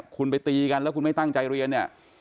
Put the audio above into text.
คุณไปตีกันแล้วคุณไม่ตั้งใจเรียนเนี่ย